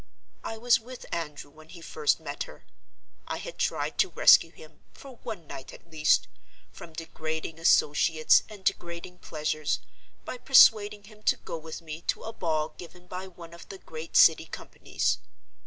I was with Andrew when he first met her. I had tried to rescue him, for one night at least, from degrading associates and degrading pleasures, by persuading him to go with me to a ball given by one of the great City Companies.